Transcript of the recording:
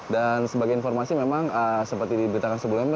dan sebagai informasi memang seperti diberitakan sebelumnya